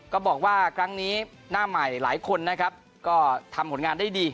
ก็บอกว่าครั้งนี้หน้าใหม่หลายคนนะครับก็ทำผลงานได้ดี